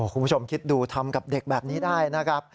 คุณผู้ชมคิดดูทำกับเด็กแบบนี้ได้นะครับ